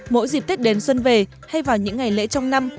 mỗi dịp tết đến xuân về hay vào những ngày lễ trong năm